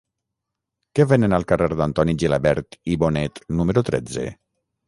Què venen al carrer d'Antoni Gilabert i Bonet número tretze?